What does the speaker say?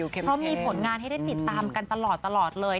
เพราะมีผลงานให้ได้ติดตามกันตลอดเลย